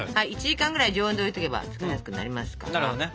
１時間ぐらい常温で置いておけば使いやすくなりますからね。